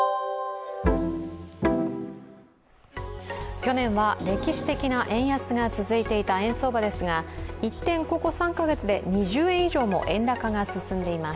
去年は歴史的な円安が続いていた円相場ですが、一転、ここ３か月で２０円以上も円高が進んでいます。